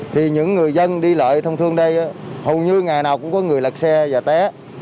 thì những người dân đi lại thông thương đây hầu như ngày nào cũng có người lật xe và té